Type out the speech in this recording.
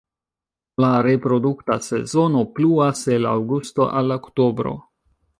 La reprodukta sezono pluas el aŭgusto al oktobro.